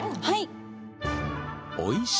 はい。